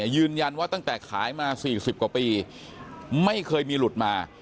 ยืนยันว่าตั้งแต่ขายมา๔๐กว่าปีไม่เคยมีหลุดมา